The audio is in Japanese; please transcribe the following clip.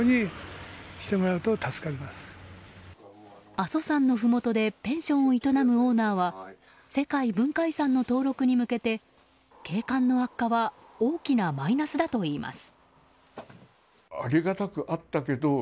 阿蘇山のふもとでペンションを営むオーナーは世界文化遺産の登録に向けて景観の悪化は大きなマイナスだといいます。